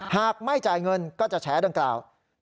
หากไม่จ่ายเงินก็จะแฉดังกล่าว